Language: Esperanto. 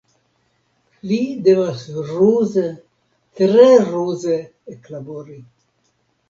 Li devas ruze, tre ruze eklabori.